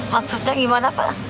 maksudnya gimana pak